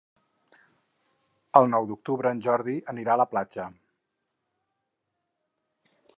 El nou d'octubre en Jordi anirà a la platja.